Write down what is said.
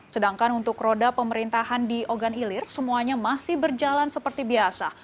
sedangkan untuk roda pemerintahan di ogan ilir semuanya masih berjalan seperti biasa